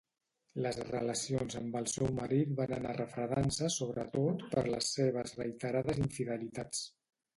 Les relacions amb el seu marit van anar refredant-se sobretot per les seves reiterades infidelitats.